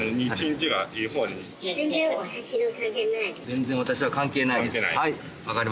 「全然私は関係ないです」。